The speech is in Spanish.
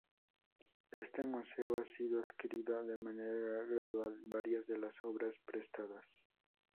Este museo ha ido adquiriendo de manera gradual varias de las obras prestadas.